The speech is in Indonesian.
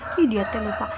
ii dia teh lupa